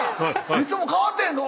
いつも変わってへんぞ。